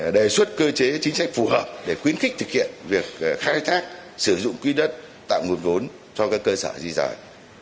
đề xuất cơ chế chính sách phù hợp để khuyến khích thực hiện việc khai thác sử dụng quy đất tạo nguồn vốn cho các cơ sở di rời